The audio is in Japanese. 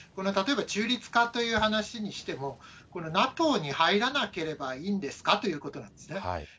例えば中立化という話にしても、ＮＡＴＯに入らなければいいんですかということなんですね。